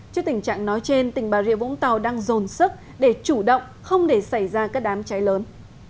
trước tình trạng nói trên tỉnh bà rịa vũng tàu đang dồn sức để chủ động không để xảy ra các đám cháy lớn